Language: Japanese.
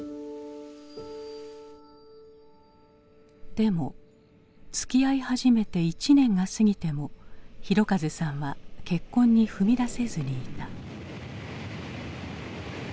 でもつきあい始めて１年が過ぎても広和さんは結婚に踏み出せずにいた。